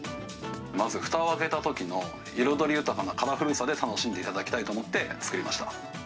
まず、ふたを開けたときの彩り豊かなカラフルさで楽しんでいただきたいと思って作りました。